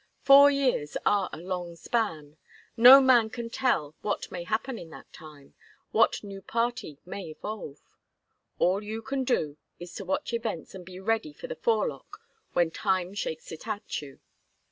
Four years are a long span. No man can tell what may happen in that time, what new party may evolve. All you can do is to watch events and be ready for the forelock when time shakes it at you.